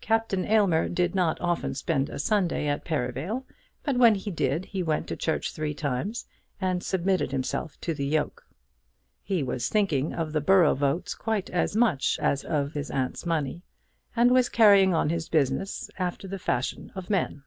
Captain Aylmer did not often spend a Sunday at Perivale, but when he did, he went to church three times, and submitted himself to the yoke. He was thinking of the borough votes quite as much as of his aunt's money, and was carrying on his business after the fashion of men.